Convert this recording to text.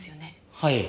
はい。